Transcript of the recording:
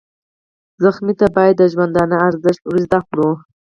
ټپي ته باید د ژوندانه ارزښت ور زده کړو.